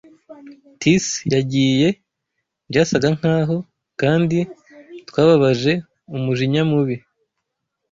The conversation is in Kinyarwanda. Tis yagiye! (byasaga nkaho) kandi twababaje Umujinya mubi